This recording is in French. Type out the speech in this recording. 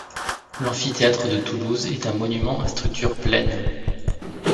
L'amphithéâtre de Toulouse est un monument à structure pleine.